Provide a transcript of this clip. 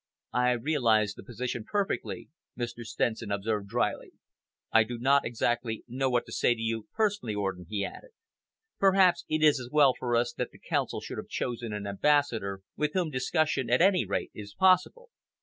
"I realise the position perfectly," Mr. Stenson observed drily. "I do not exactly know what to say to you personally, Orden," he added. "Perhaps it is as well for us that the Council should have chosen an ambassador with whom discussion, at any rate, is possible.